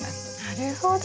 なるほど。